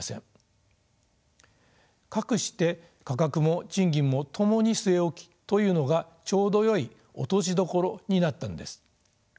かくして価格も賃金もともに据え置きというのがちょうどよい落としどころになったんです。